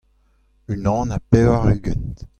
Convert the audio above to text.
unan ha pevar-ugent.